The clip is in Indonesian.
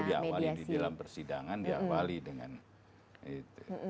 iya selalu diakvali di dalam persidangan diakvali dengan itu